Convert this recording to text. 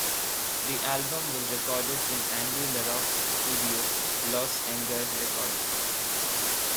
The album was recorded in Andy LaRocque's studio Los Angered Recording.